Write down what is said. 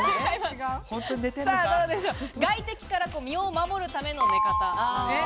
外敵から身を守るための寝方。